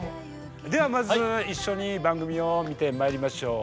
ではまず一緒に番組を見てまいりましょう。